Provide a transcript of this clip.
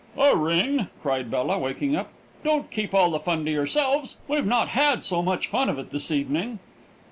"A ring?" cried Bella, waking up. "Don't keep all the fun to yourselves; we've not had so much of it this evening."